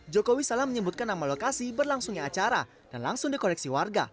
jokowi salah menyebutkan nama lokasi berlangsungnya acara dan langsung dikoreksi warga